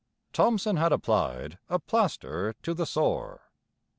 Thomson had applied a plaster to the sore.